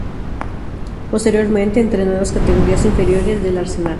Posteriormente, entrenó en las categorías inferiores del Arsenal.